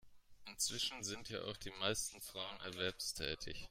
Inzwischen sind ja auch die meisten Frauen erwerbstätig.